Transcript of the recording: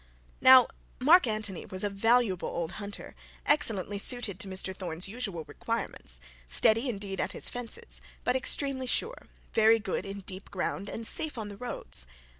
Now Mark Antony was a valuable old hunter, excellently suited to Mr Thorne's usual requirements, steady indeed at his fences, but extremely sure, very good in deep ground, and safe on the roads.